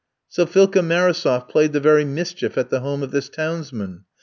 "So Philka Marosof played the very mischief at the home of this townsman.